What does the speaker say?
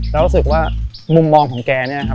เรารู้สึกว่ามุมมองของแก